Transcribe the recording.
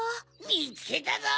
みつけたぞ！